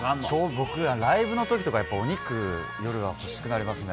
僕はライブの時に夜、お肉が欲しくなりますね。